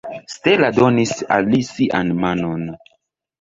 Stella donis al li sian manon.